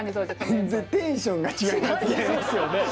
全然テンションが違いますね。